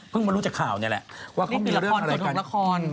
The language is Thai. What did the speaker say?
เพิ่งมารู้จากข่าวนี่แหละว่ามีเรื่องอะไรกัน